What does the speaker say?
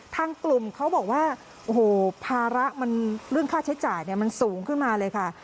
ทางกลุ่มเขาบอกว่าโอ้โหภาระมันเรื่องค่าใช้จ่ายมันสูงขึ้นมาเลยค่ะ